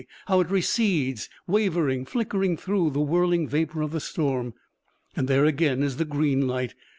how it recedes, wavering, flickering through the whirling vapor of the storm! And there again is the green light!